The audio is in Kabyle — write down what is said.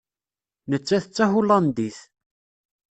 Nettat d Tahulandit.